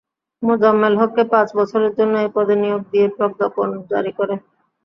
মোজাম্মেল হককে পাঁচ বছরের জন্য এ পদে নিয়োগ দিয়ে প্রজ্ঞাপন জারি করে।